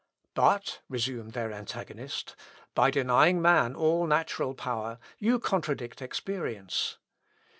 "But," resumed their antagonist, "by denying man all natural power, you contradict experience."